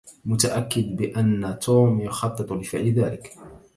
متأكد بأن توم يخطط لفعل ذلك.